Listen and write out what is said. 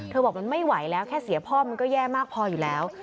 บอกมันไม่ไหวแล้วแค่เสียพ่อมันก็แย่มากพออยู่แล้ว